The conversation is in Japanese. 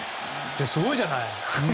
すごいじゃない。